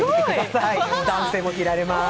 男性も着られます。